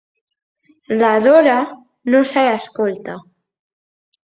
La Dora no se l'escolta.